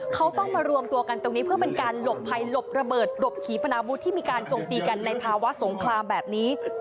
เขาต้องมารวมตัวกันตรงนี้เพื่อเป็นการหลบภัยหลบระเบิดหลบขี่ปนาวุฒิที่มีการจมตีกันในภาวะสงครามแบบนี้